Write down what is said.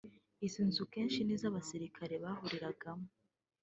Izi nzu kenshi ni zo abasirikare bahuriragamo